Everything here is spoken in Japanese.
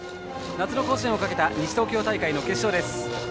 夏の甲子園をかけた西東京大会の決勝です。